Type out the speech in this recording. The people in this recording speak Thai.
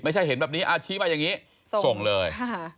ไม่ใช่เห็นแบบนี้อาชีพอะไรอย่างนี้ส่งเลย